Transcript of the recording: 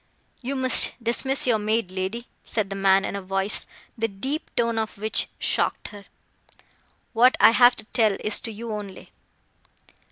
"You must dismiss your maid, lady," said the man in a voice, the deep tone of which shocked her, "what I have to tell is to you only."